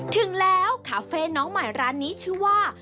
ถึงแล้วคาเฟ่น้องใหม่ร้านนี้ชื่อว่า